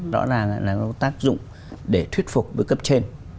đó là tác dụng để thuyết phục với cấp trên